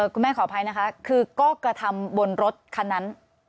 ขออภัยนะคะคือก็กระทำบนรถคันนั้น